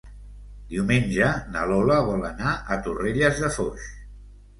Diumenge na Lola vol anar a Torrelles de Foix.